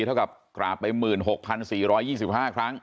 เท่ากับกราบไปหมื่นหกพันสี่ร้อยยี่สิบห้าครั้ง